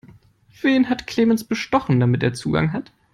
Wen hat Clemens bestochen, damit er Zugang hat?